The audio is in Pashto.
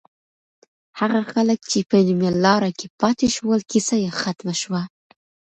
هغه خلک چې په نیمه لاره کې پاتې شول، کیسه یې ختمه شوه.